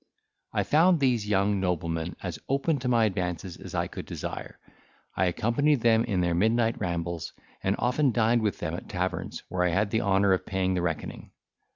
I found these young noblemen as open to my advances as I could desire; I accompanied them in their midnight rambles, and often dined with them at taverns, where I had the honour of paying the reckoning.